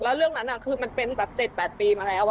แล้วเรื่องนั้นคือมันเป็นแบบ๗๘ปีมาแล้ว